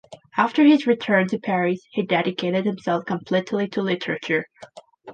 After his return to Paris he dedicated himself completely to literature.